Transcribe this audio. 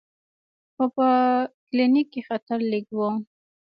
خو په کلینیک کې خطر لږ و.